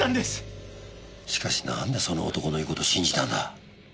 しかしなんでその男の言う事を信じたんだ？